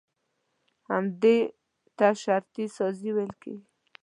همدې ته شرطي سازي ويل کېږي.